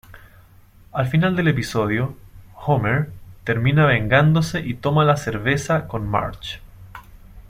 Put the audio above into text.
Al final del episodio Homer termina vengándose y toma la cerveza con Marge.